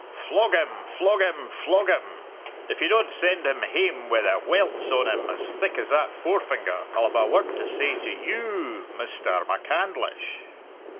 Flog him, flog him, flog him! If you don't send him hame wi' the welts on him as thick as that forefinger, I'll have a word to say to you ou, Misterr MacCandlish!"